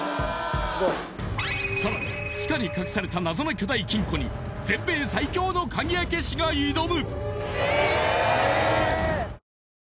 さらに地下に隠された謎の巨大金庫に全米最強の鍵開け師が挑む！